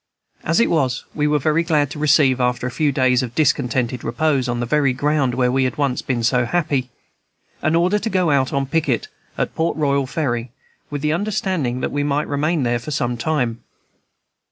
As it was, we were very glad to receive, after a few days of discontented repose on the very ground where we had once been so happy, an order to go out on picket at Port Royal Ferry, with the understanding that we might remain there for some time.